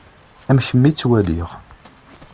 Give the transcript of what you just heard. Am kemm i ttwaliɣ.